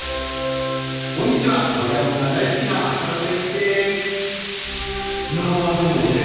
こんにちはドラえもんが大好きないやでもね